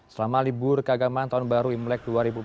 selama libur keagamaan tahun baru imlek dua ribu dua puluh